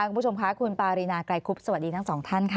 คุณผู้ชมค่ะคุณปารีนาไกรคุบสวัสดีทั้งสองท่านค่ะ